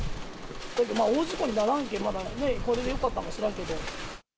大事故にならんけ、まだこれでよかったかもしらんけど。